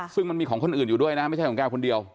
ซึ่งมันมีของคนอื่นอยู่ด้วยนะไม่ใช่ของแกคนเดียว